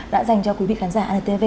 đã dành cho quý vị khán giả antv